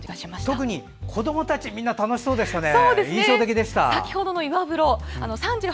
特に子どもたちみんな楽しそうでしたね。